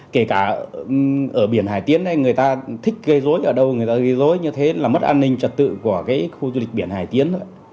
kể cả ở biển hải tiến hay người ta thích gây dối ở đâu người ta ghi dối như thế là mất an ninh trật tự của cái khu du lịch biển hải tiến